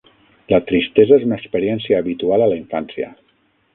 La tristesa és una experiència habitual a la infància.